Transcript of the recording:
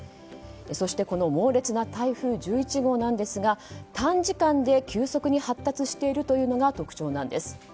そして、猛烈な台風１１号ですが短時間で急速に発達しているというのが特徴です。